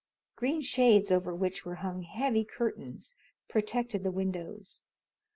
Green shades over which were hung heavy curtains protected the windows.